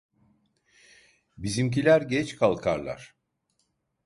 Bizimkiler geç kalkarlar!